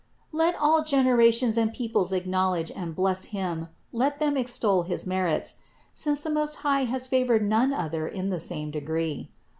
Let all generations and peoples acknowledge and bless him, let them extol his merits; since the Most High has favored none other in the same degree.